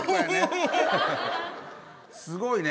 すごいね。